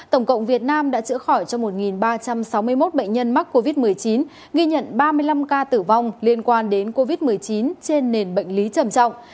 tổng cộng việt nam đã chữa khỏi cho một ba trăm sáu mươi một bệnh nhân mắc covid một mươi chín ghi nhận ba mươi năm ca tử vong liên quan đến covid một mươi chín trên nền bệnh lý trầm trọng